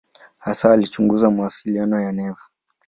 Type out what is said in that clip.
Hasa alichunguza mawasiliano ya neva.